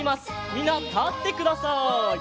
みんなたってください。